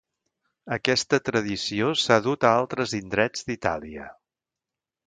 Aquesta tradició s'ha dut a altres indrets d'Itàlia.